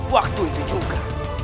waktu itu juga